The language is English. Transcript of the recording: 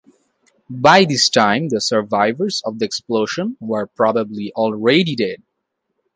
By this time the survivors of the explosion were probably already dead.